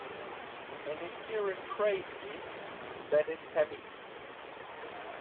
An inherent trait is that is heavy.